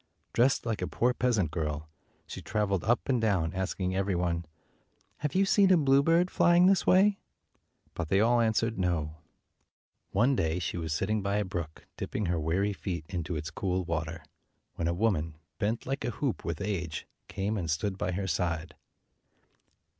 Dressed like a poor peasant girl, she traveled up and down, asking every one, " Have you seen a bluebird flying this way?" But they all answered, "No." One day, she was sitting by a brook, dipping her weary feet into its cool water, when a woman, bent like a hoop with age, came and stood by her side.